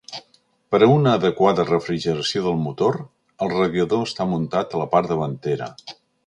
Per a una adequada refrigeració del motor, el radiador està muntat a la part davantera.